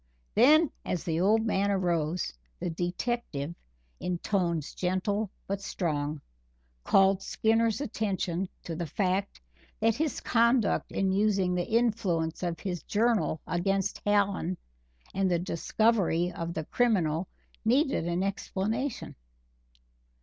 Then, as the old man rose, the detective, in tones gentle but strong, called Skinner's attention to the fact that his conduct in using the influence of his journal against Hallen and the discovery of the criminal needed an explanation.